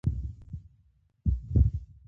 جرګې ته داوړه لورې حاضر شول.